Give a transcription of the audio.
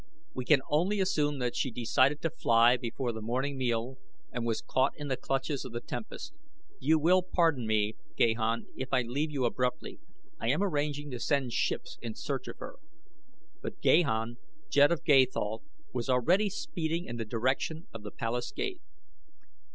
We can only assume that she decided to fly before the morning meal and was caught in the clutches of the tempest. You will pardon me, Gahan, if I leave you abruptly I am arranging to send ships in search of her;" but Gahan, Jed of Gathol, was already speeding in the direction of the palace gate.